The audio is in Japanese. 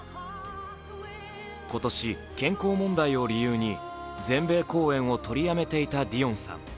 今年、健康問題を理由に、全米公演を取りやめていたディオンさん。